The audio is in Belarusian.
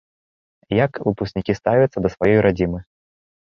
Як выпускнікі ставяцца да сваёй радзімы?